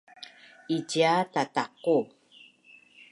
Icia tataqu